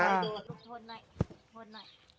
โทษหน่อยโทษหน่อย